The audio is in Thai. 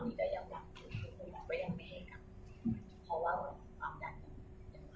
แต่ถ้าเกิดว่าในคืนศูกร์สองเรื่องความดันมีลดก็อาจจะต้องเป็นความดันทนสุกเดือันหลานตลอดชีวิต